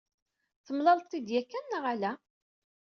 Temlaleḍ-tid yakan, neɣ ala?